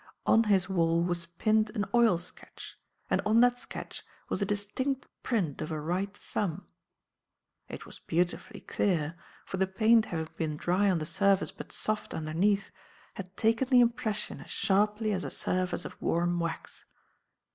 On his wall was pinned an oil sketch, and on that sketch was a distinct print of a right thumb. It was beautifully clear; for the paint having been dry on the surface but soft underneath, had taken the impression as sharply as a surface of warm wax.